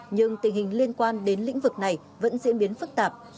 nhưng tình hình liên quan đến lĩnh vực này vẫn diễn biến phức tạp